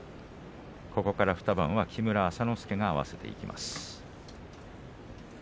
２番は木村朝之助が合わせていきます。